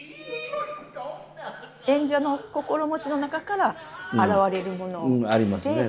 演者の心持ちの中から表れるもの。ありますね。